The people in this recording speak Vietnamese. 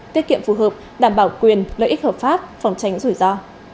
tiết kiệm phù hợp đảm bảo quyền lợi ích hợp pháp phòng tránh rủi ro